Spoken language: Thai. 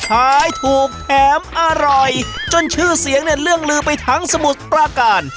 ขายถูกแถมอร่อยจนชื่อเสียงเนี่ยเรื่องลือไปทั้งสมุทรปราการ